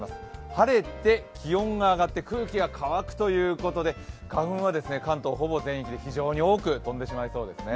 晴れて気温が上がって空気が乾くということで花粉は関東ほぼ全域で非常に多く飛んでしまいそうですね。